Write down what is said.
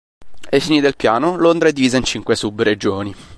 Ai fini del piano, Londra è divisa in cinque subregioni.